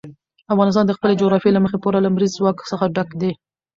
افغانستان د خپلې جغرافیې له مخې پوره له لمریز ځواک څخه ډک دی.